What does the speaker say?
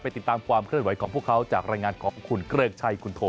ติดตามความเคลื่อนไหวของพวกเขาจากรายงานของคุณเกริกชัยคุณโท